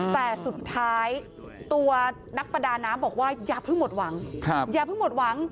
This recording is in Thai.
แต่สุดท้ายตัวนักประดาน้ำบอกว่าอย่าเพิ่งหมดหวัง